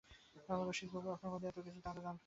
বা, বা, রসিকবাবু, আপনার মধ্যে এত আছে তা তো জানতুম না।